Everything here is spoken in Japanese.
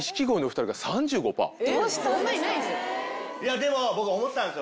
でも僕思ったんすよ。